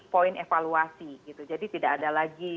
poin evaluasi gitu jadi tidak ada lagi